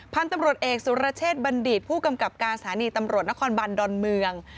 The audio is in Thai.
พันธุ์ตำรวจเอกสุรเชษฐบัณฑิตผู้กำกับการสถานีตำรวจนครบันดอนเมือง